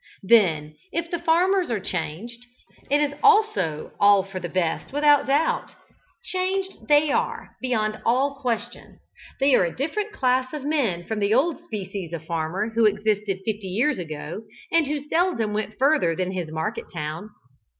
Then if the farmers are changed, it is also all for the best without doubt. Changed they are, beyond all question. They are a different class of men from the old species of farmer who existed fifty years ago, and who seldom went further than his market town.